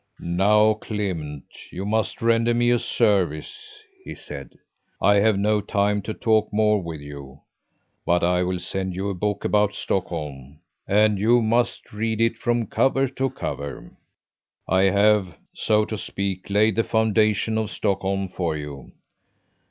"Now, Clement, you must render me a service," he said. "I have no time to talk more with you, but I will send you a book about Stockholm and you must read it from cover to cover. I have, so to speak, laid the foundations of Stockholm for you.